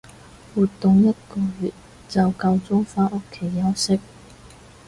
活動一個月就夠鐘返屋企休息